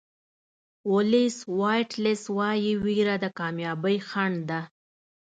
ولېس واټلز وایي وېره د کامیابۍ خنډ ده.